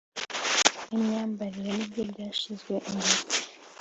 nimyambarire ni byo byashyizwe imbere